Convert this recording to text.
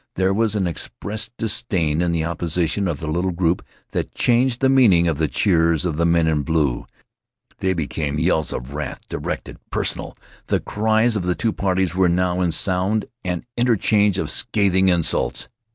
There was an expressed disdain in the opposition of the little group, that changed the meaning of the cheers of the men in blue. They became yells of wrath, directed, personal. The cries of the two parties were now in sound an interchange of scathing insults.